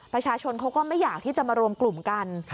ประชาชนเขาก็ไม่อยากที่จะมารวมกลุ่มกัน